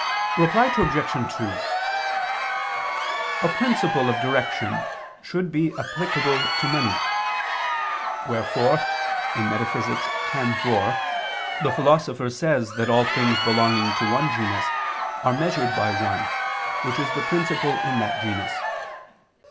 Reply Obj. 2: A principle of direction should be applicable to many; wherefore (Metaph. x, text. 4) the Philosopher says that all things belonging to one genus, are measured by one, which is the principle in that genus.